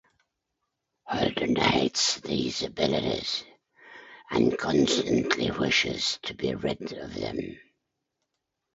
Holden hates these abilities and constantly wishes to be rid of them.